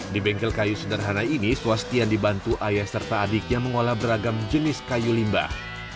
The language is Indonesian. di bengkel kayu sederhana ini swastian dibantu ayah serta adiknya mengolah beragam jenis kayu limbah